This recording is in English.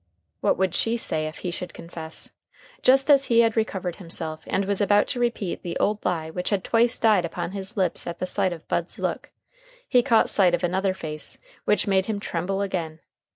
What would she say if he should confess? Just as he had recovered himself, and was about to repeat the old lie which had twice died upon his lips at the sight of Bud's look, he caught sight of another face, which made him tremble again.